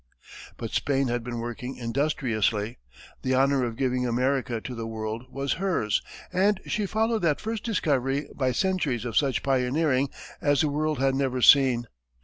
But Spain had been working industriously. The honor of giving America to the world was hers, and she followed that first discovery by centuries of such pioneering as the world had never seen.